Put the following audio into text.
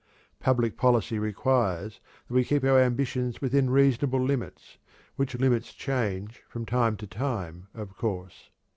Public policy requires that we keep our ambitions within reasonable limits, which limits change from time to time, of course.